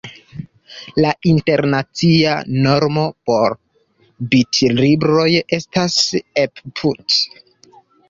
La internacia normo por bitlibroj estas ePub.